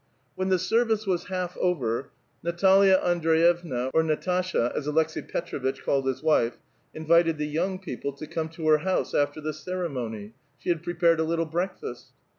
When the service was half over, Natalia Andr^j'evna, or ^Natasha, as Aleks^i Petr6vitch called his wife, invited the ^oung people to come to her house after the ceremony ; she iad prepared a little breakfast.